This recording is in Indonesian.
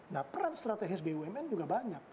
nah peran strategis bumn juga banyak